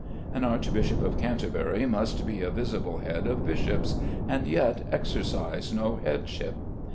An Archbishop of Canterbury must be a visible head of bishops, and yet exercise no headship.